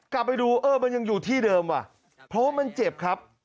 กลับไปดูเออมันยังอยู่ที่เดิมว่ะเพราะว่ามันเจ็บครับ